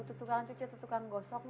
kamu mau jadi tukang cuci